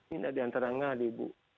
ini ada yang terang ngah di ibu